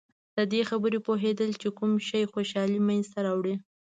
د دې خبرې پوهېدل چې کوم شی خوشحالي منځته راوړي.